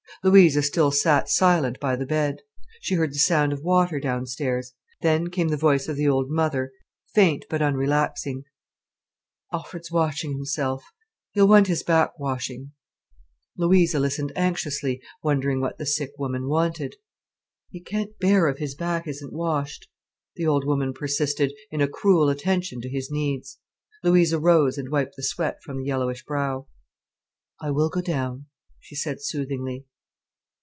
Louisa still sat silent by the bed. She heard the sound of water downstairs. Then came the voice of the old mother, faint but unrelaxing: "Alfred's washing himself—he'll want his back washing——" Louisa listened anxiously, wondering what the sick woman wanted. "He can't bear if his back isn't washed——" the old woman persisted, in a cruel attention to his needs. Louisa rose and wiped the sweat from the yellowish brow. "I will go down," she said soothingly.